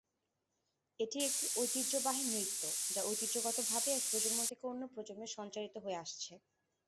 এটি একটি ঐতিহ্যবাহী নৃত্য যা ঐতিহ্যগতভাবে এক প্রজন্ম থেকে অন্য প্রজন্মে সঞ্চারিত হয়ে আসছে।